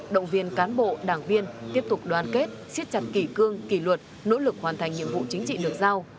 động viên cán bộ đảng viên tiếp tục đoàn kết siết chặt kỷ cương kỷ luật nỗ lực hoàn thành nhiệm vụ chính trị được giao